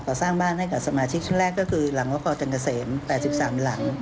ก็สร้างบ้านให้กับสมาชิกทั้งแรกก็คือหลังโว๊คครจังกเซมแปดสิบสามปีหลัง